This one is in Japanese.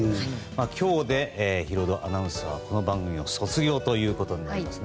今日でヒロドアナウンサーはこの番組を卒業となります。